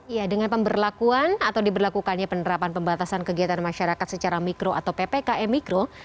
ya dengan pemberlakuan atau diberlakukannya penerapan pembatasan kegiatan masyarakat secara mikro atau ppkm mikro